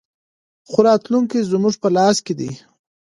خو راتلونکی زموږ په لاس کې دی.